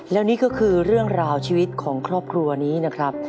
แล้วนี่ก็คือเรื่องราวชีวิตของครอบครัวนี้นะครับ